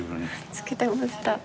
付けてました。